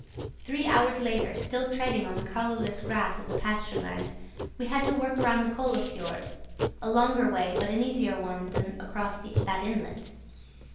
Three hours later, still treading on the colourless grass of the pasture land, we had to work round the Kolla fiord, a longer way but an easier one than across that inlet.